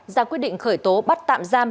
ra quyết định khởi tố bắt tạm giam